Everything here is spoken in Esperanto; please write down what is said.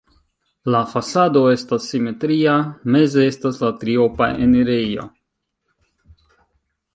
La fasado estas simetria, meze estas la triopa enirejo.